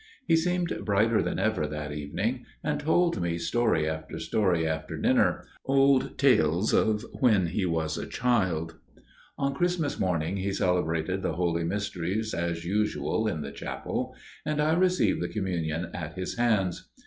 He seemed brighter than ever that evening, and told me story after story after dinner, old tales of when he was a child. On Christmas morning he celebrated the Holy Mysteries as usual in the chapel, and I received the Communion at his hands.